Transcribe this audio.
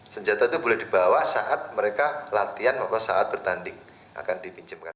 senjata itu boleh dibawa saat mereka latihan saat bertanding akan dipinjamkan